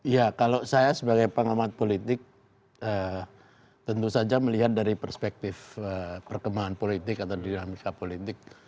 ya kalau saya sebagai pengamat politik tentu saja melihat dari perspektif perkembangan politik atau dinamika politik